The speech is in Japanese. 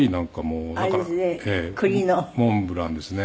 モンブランですね。